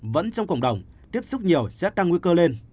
vẫn trong cộng đồng tiếp xúc nhiều sẽ tăng nguy cơ lên